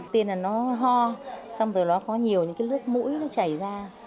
tuy nhiên là nó ho xong rồi nó có nhiều những cái lướt mũi nó chảy ra